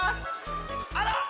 あら。